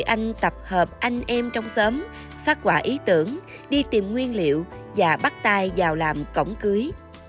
anh tập hợp anh em trong xóm phát quả ý tưởng đi tìm nguyên liệu và bắt tay vào làm cổng cưới